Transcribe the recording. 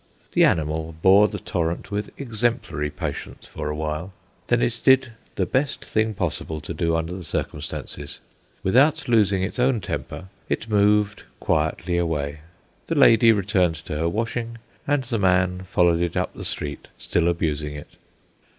The animal bore the torrent with exemplary patience for awhile; then it did the best thing possible to do under the circumstances. Without losing its own temper, it moved quietly away. The lady returned to her washing, and the man followed it up the street, still abusing it.